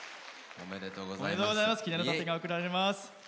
おめでとうございます。